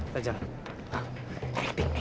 dasar anak baru